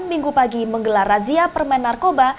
minggu pagi menggelar razia permen narkoba